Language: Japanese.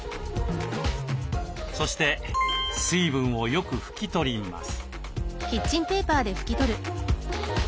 そして水分をよく拭きとります。